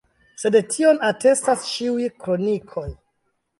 Sed tion atestas ĉiuj kronikoj.